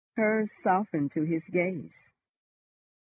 Hers softened to his gaze.